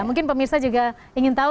mungkin pemirsa juga ingin tahu